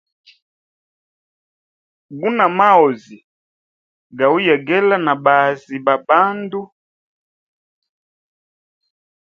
Guna maozi gauyegela na baazi ba bandu.